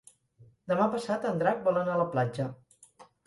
Demà passat en Drac vol anar a la platja.